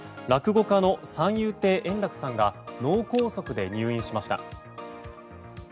落語家の三遊亭円楽さんが脳梗塞で入院しました。